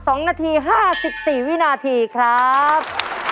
ขอบคุณหน้าถีครับ